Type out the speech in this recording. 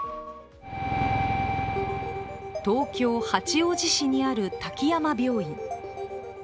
東京・八王子市にある滝山病院。